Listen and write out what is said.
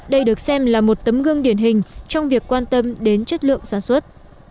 đây được xem là một tấm gương điển hình trong việc quan tâm đến chất lượng sản xuất